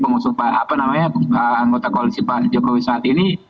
pengusung anggota koalisi pak jokowi saat ini